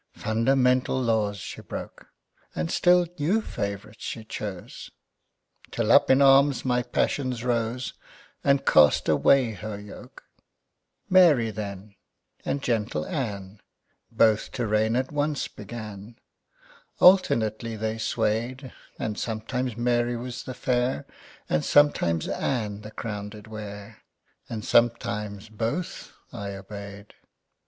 Fundamental laws she broke, And still new favorites she chose, Till up in arms my passions rose, And cast away her yoke. Mary then, and gentle Ann Both to reign at once began. Alternately they sway'd; And sometimes Mary was the Fair, And sometimes Ann the Crown did wear, And sometimes Both I obey'd.